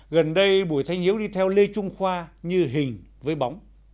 gần đây bùi thanh hiếu đi theo lê trung khoa như hình với bóng